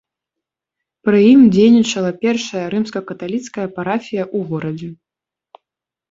Пры ім дзейнічала першая рымска-каталіцкая парафія у горадзе.